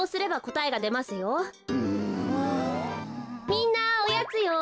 みんなおやつよ。